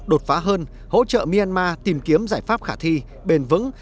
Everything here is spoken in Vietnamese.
đột phá hơn hỗ trợ myanmar tìm kiếm giải pháp khả thi bền vững